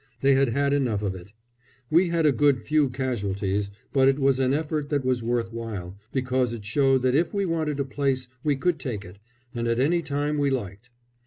They had had enough of it. We had a good few casualties, but it was an effort that was worth while, because it showed that if we wanted a place we could take it, and at any time we liked.